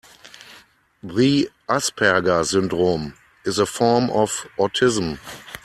The Asperger syndrome is a form of autism.